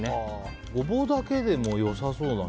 ゴボウだけでも良さそうな。